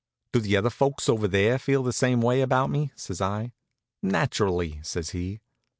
"Do the other folks over there feel the same way about me?" says I. "Naturally," says he.